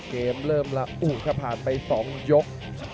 เกมเริ่มละอู้ครับผ่านไป๒ยก